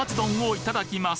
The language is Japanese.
いただきます。